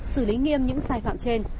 xử lý nghiêm những sai phạm trên